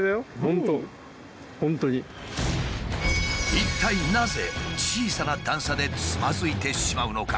一体なぜ小さな段差でつまずいてしまうのか？